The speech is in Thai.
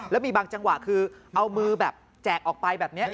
แล้วมีบางจังหวะคือเอามือแบบแจกออกไปแบบนี้